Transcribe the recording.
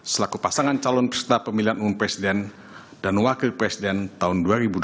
selaku pasangan calon peserta pemilihan umum presiden dan wakil presiden tahun dua ribu dua puluh